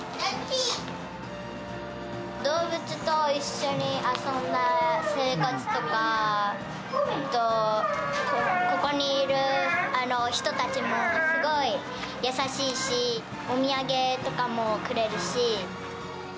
動物と一緒に遊んだ生活とか、ここにいる人たちもすごい優しいし、お土産とかもくれるし。